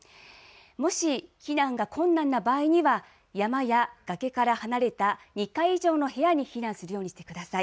もし避難が困難な場合には山や崖から離れた２階以上の部屋に避難するようにしてください。